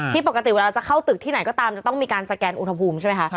ปกติเวลาเราจะเข้าตึกที่ไหนก็ตามจะต้องมีการสแกนอุณหภูมิใช่ไหมคะ